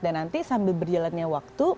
dan nanti sambil berjalannya waktu